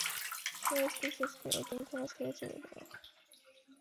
সে school শেষ করে এতিমখানা ছেড়ে চলে যায়।